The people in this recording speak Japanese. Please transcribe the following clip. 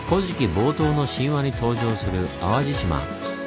冒頭の神話に登場する淡路島。